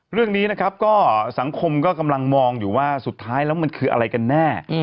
เรื่องนี้นะครับก็สังคมก็กำลังมองอยู่ว่าสุดท้ายแล้วมันคืออะไรกันแน่